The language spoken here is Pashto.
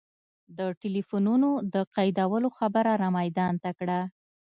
د ټلفونونو د قیدولو خبره را میدان ته کړه.